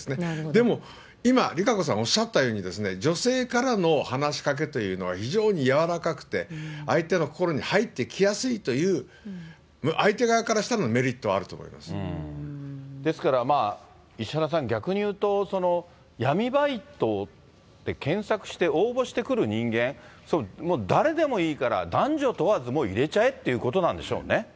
でも、今、ＲＩＫＡＣＯさんおっしゃったように、女性からの話しかけというのは、非常にやわらかくて、相手の心に入ってきやすいという相手側からしてのメリットはあるですから、石原さん、逆に言うと、闇バイトで検索して応募してくる人間、誰でもいいから、男女問わず、もう入れちゃえっていうことなんでしょうね。